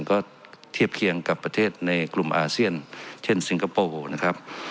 ก็เทียบเคียงกับประเทศในกลุ่มอาเซียนเช่นสิงคโปร์นะครับ